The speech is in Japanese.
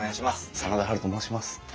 真田ハルと申します。